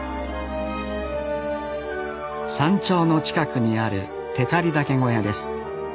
山頂の近くにある光岳小屋です。